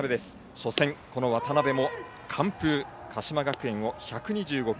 初戦、渡邊も完封で鹿島学園を１２５球。